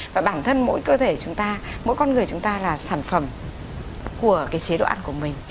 và bản thân mỗi cơ thể chúng ta mỗi con người chúng ta là sản phẩm của chế độ ăn của mình